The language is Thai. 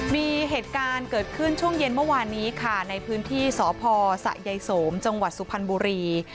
มีเหตุการณ์เกิดขึ้นช่วงเย็นเมื่อวานนี้ค่ะในพื้นที่สพสะยายโสมจังหวัดสุพรรณบุรี